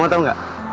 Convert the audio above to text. mama tau nggak